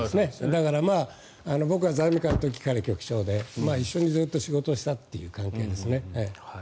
だから僕が財務官の時から局長で一緒にずっと仕事をしたという関係ですね。